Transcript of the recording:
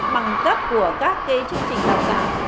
bằng cấp của các cái chương trình tạo cảm